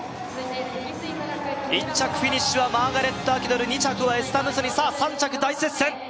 １着フィニッシュはマーガレット・アキドル２着はエスタ・ムソニさあ３着大接戦！